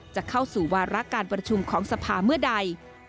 จะเข้าสู่วาระการประชุมของสภาเมื่อใด